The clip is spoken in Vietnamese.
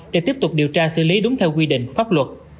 để tiếp tục điều tra xử lý đúng theo quy định pháp luật